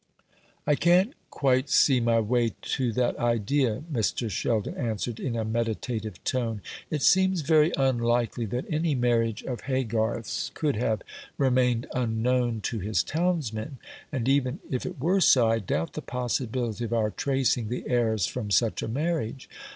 "I can't quite see my way to that idea," Mr. Sheldon answered, in a meditative tone. "It seems very unlikely that any marriage of Haygarth's could have remained unknown to his townsmen; and even if it were so, I doubt the possibility of our tracing the heirs from such a marriage.